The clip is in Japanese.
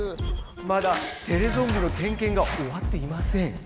まだテレゾンビの点けんがおわっていません。